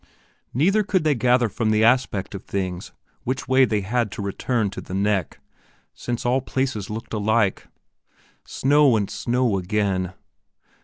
Neither could they gather from the aspect of things which way they had to return to the "neck," since all places looked alike. Snow and snow again.